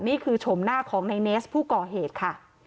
นี่คือชมหน้าของนายเนสผู้ก่อเหตุค่ะ